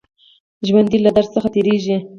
ژوندي له درد څخه تېرېږي